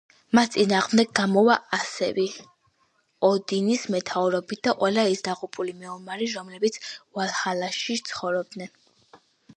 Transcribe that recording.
მათ წინააღმდეგ გამოვა ასები, ოდინის მეთაურობით და ყველა ის დაღუპული მეომარი, რომლებიც ვალჰალაში ცხოვრობენ.